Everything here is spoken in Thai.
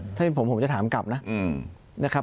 ถ้าเป็นผมผมจะถามกลับนะนะครับ